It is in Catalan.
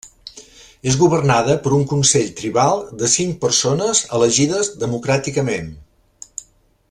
És governada per un consell tribal de cinc persones elegides democràticament.